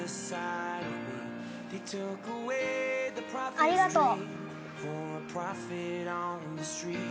ありがとう。